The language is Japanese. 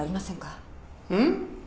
うん？